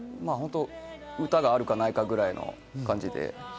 歌があるかないかぐらいの感じで。